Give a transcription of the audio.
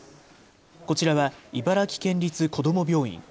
こちらは茨城県立こども病院。